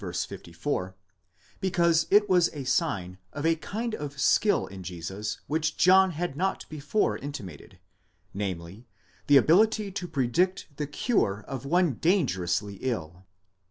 54) because it was a sign of a kind of skill in Jesus which John had not before intimated, namely, the ability to predict the cure of one dangerously 11.1.